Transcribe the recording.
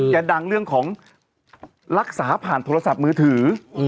ดังเรื่องของรักษาผ่านโทรศัพท์มือถือ